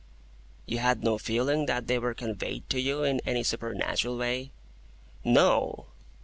"You had no feeling that they were conveyed to you in any supernatural way?" "No."